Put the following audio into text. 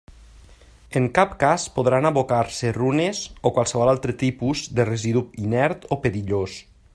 En cap cas podran abocar-se runes o qualsevol altre tipus de residu inert o perillós.